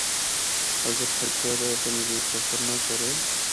اگر تھکیا دا ہے تے مزید سفر نہ کرّے۔